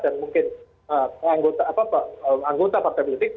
dan mungkin anggota partai politik